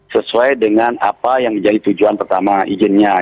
sesuai dengan apa yang menjadi tujuan pertama izinnya